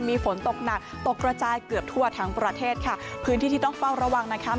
มีฝนตกหนักตกกระจายเกือบทั่วทั้งประเทศค่ะพื้นที่ที่ต้องเฝ้าระวังนะคะ